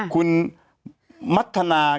คุณมัธนา